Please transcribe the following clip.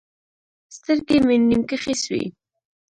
سترګې مې نيم کښې سوې.